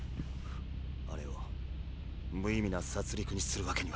あれを無意味な殺戮にするわけにはいきません。